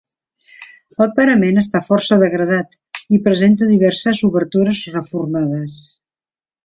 El parament està força degradat i presenta diverses obertures reformades.